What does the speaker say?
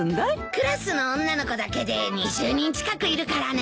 クラスの女の子だけで２０人近くいるからね。